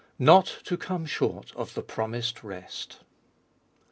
Not to come short of the promised Rest.